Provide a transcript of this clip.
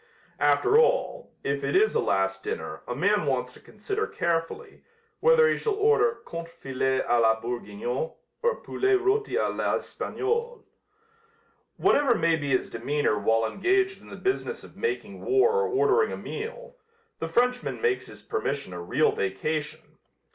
After all, if it is a last dinner a man wants to consider carefully, whether he shall order contrefilet à la Bourguignon or poulet roti à l'Espagnol. Whatever may be his demeanor while engaged in the business of making war or ordering a meal, the Frenchman makes his permission a real vacation.